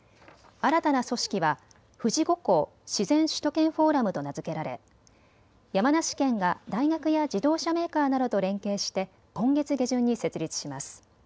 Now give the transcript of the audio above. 新たな組織は富士五湖自然首都圏フォーラムと名付けられ、山梨県が大学や自動車メーカーなどと連携して今月下旬に設立します。